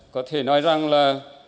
có thể nói rằng là